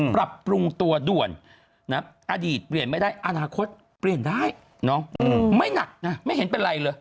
ปรับปรุงตัวด่วนอดีตเปลี่ยนไม่ได้อนาคตเปลี่ยนได้ไม่หนักนะไม่เห็นเป็นไรเลย